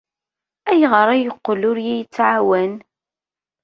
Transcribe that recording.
Ayɣer ay yeqqel ur iyi-yettɛawan?